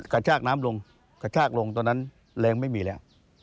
กระชากน้ำลงตอนนั้นแรงไม่มีแล้ว